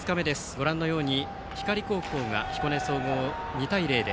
ご覧のように光高校が彦根総合を２対０で。